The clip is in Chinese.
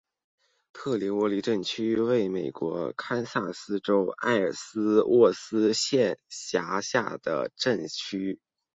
特里沃利镇区为美国堪萨斯州埃尔斯沃思县辖下的镇区。